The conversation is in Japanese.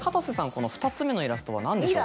この２つ目のイラストは何でしょう？